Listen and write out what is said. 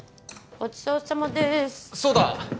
ごちそうさまでーすそうだ！